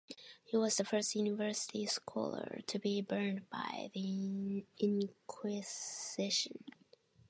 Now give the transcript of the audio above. He was the first university scholar to be burned by the Inquisition.